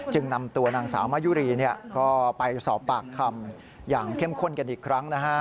นำตัวนางสาวมายุรีก็ไปสอบปากคำอย่างเข้มข้นกันอีกครั้งนะฮะ